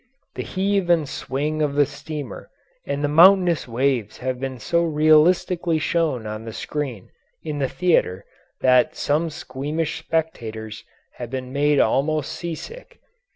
The heave and swing of the steamer and the mountainous waves have been so realistically shown on the screen in the theatre that some squeamish spectators have been made almost seasick.